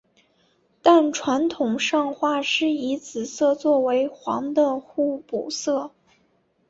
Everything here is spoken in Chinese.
但传统上画师以紫色作为黄的互补色。